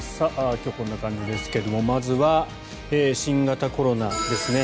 今日はこんな感じですけれどもまずは新型コロナですね。